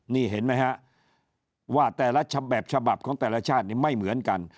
นี่เห็นไหมฮะว่าแต่ละฉบับฉบับของแต่ละชาตินี้ไม่เหมือนกัน